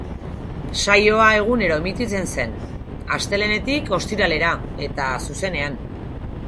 Saioa egunero emititzen zen, astelehenetik ostiralera eta zuzenean.